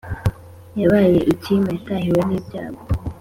Yabaye icyima , yatahiwe n’icyago,